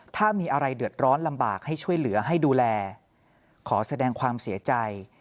ถ้ามีอะไรเดือดร้อนลำบากให้ช่วยเหลือให้ดูแลขอแสดงความเสียใจ